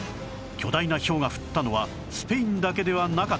巨大なひょうが降ったのはスペインだけではなかった